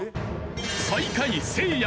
最下位せいや。